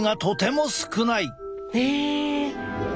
へえ！